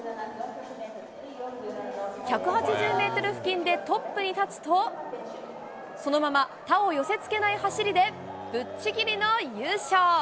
１８０メートル付近でトップに立つと、そのまま他を寄せつけない走りでぶっちぎりの優勝。